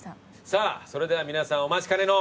さぁそれでは皆さんお待ちかねの